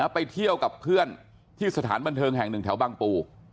ไปเที่ยวกับเพื่อนที่สถานบันเทิงแห่งหนึ่งแถวบางปู